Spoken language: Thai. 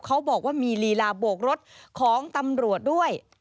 เขาบอกว่ามีลีลาโบกรถของตำรวจด้วย